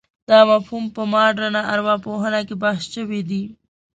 دا مفهوم په مډرنه ارواپوهنه کې بحث شوی دی.